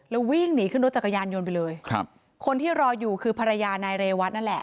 แล้ววิ่งหนีขึ้นรถจักรยานยนต์ไปเลยครับคนที่รออยู่คือภรรยานายเรวัตนั่นแหละ